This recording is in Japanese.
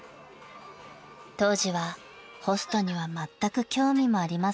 ［当時はホストにはまったく興味もありませんでした］